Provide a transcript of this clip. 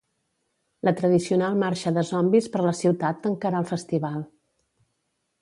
La tradicional marxa de zombis per la ciutat tancarà el Festival.